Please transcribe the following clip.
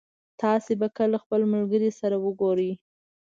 تاسو به کله خپل ملګري سره وګورئ